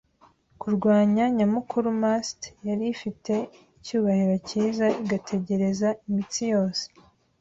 kurwanya nyamukuru-mast, yari ifite icyubahiro cyiza, igategereza, imitsi yose